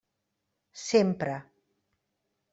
Sempre.